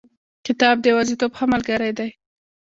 کتاب د یوازیتوب ښه ملګری دی.